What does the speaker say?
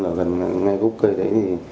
thế thì hôm nay khi mà tỉnh rượu rồi